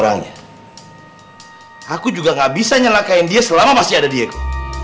aku juga gak bisa nyalakain dia selama masih ada diego